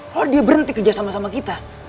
kalau dia berhenti kerja sama sama kita